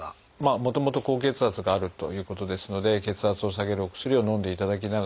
もともと高血圧があるということですので血圧を下げるお薬をのんでいただきながら。